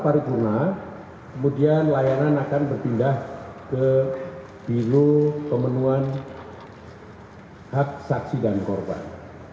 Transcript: paripurna kemudian layanan akan berpindah ke biru pemenuhan hak saksi dan korban